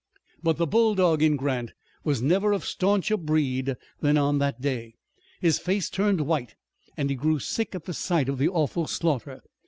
But the bulldog in Grant was never of stauncher breed than on that day. His face turned white, and he grew sick at the sight of the awful slaughter.